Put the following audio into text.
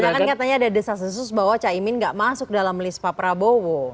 soalnya kan katanya ada desa sesus bahwa cak imin gak masuk dalam list pak prabowo